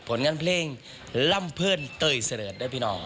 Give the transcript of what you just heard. ผลงานเพลงล่ำเพื่อนเตยเสริฐได้พี่น้อง